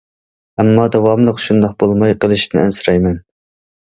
ئەمما داۋاملىق شۇنداق بولماي قېلىشىدىن ئەنسىرەيمەن.